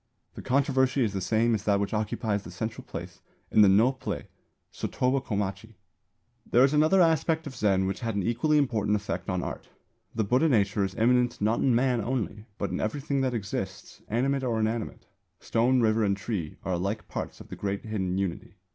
The controversy is the same as that which occupies the central place in the Nō play Sotoba Komachi. There is another aspect of Zen which had an equally important effect on art. The Buddha nature is immanent not in Man only, but in everything that exists, animate or inanimate. Stone, river and tree are alike parts of the great hidden Unity.